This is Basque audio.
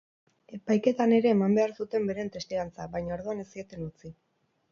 Epaiketan ere eman behar zuten beren testigantza, baina orduan ez zieten utzi.